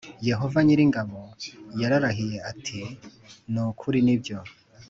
Yehova nyir ingabo yararahiye ati ni ukuri nibyo